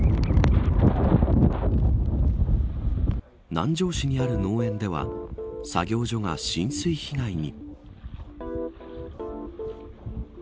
南城市にある農園では作業所が浸水被害に。